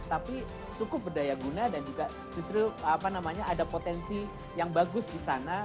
tapi cukup berdaya guna dan juga justru ada potensi yang bagus di sana